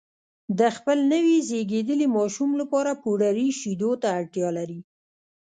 د خپل نوي زېږېدلي ماشوم لپاره پوډري شیدو ته اړتیا لري